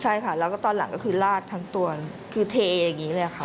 ใช่ค่ะแล้วก็ตอนหลังก็คือลาดทั้งตัวคือเทอย่างนี้เลยค่ะ